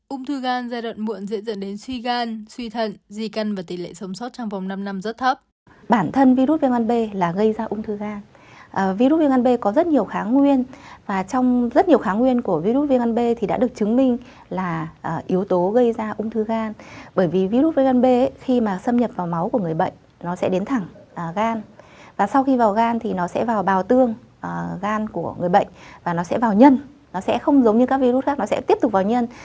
ung thư gan giai đoạn muộn dễ dẫn đến suy gan suy thận di căn và tỷ lệ sống sót trong vòng năm năm rất thấp